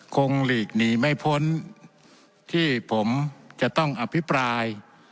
หลีกหนีไม่พ้นที่ผมจะต้องอภิปราย